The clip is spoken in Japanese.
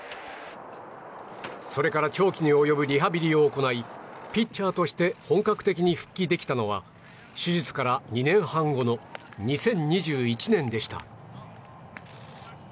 それから長期に及ぶリハビリを行いピッチャーとして本格的に復帰できたのは手術から２年半後の２０２１年でした。